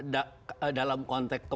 tapi di pasal dua